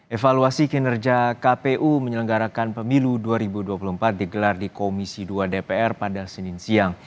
evaluasi kinerja kpu menyelenggarakan pemilu dua ribu dua puluh empat digelar di komisi dua dpr pada senin siang